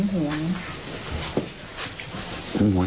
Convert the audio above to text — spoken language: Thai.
หงิ้งห่วง